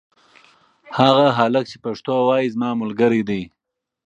هغه هلک چې پښتو وايي زما ملګری دی.